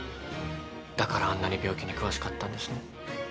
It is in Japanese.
だからあんなに病気に詳しかったんですね。